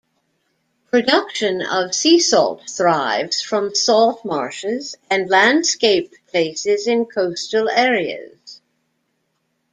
Production of sea salt thrives, from salt marshes and landscaped places in coastal areas.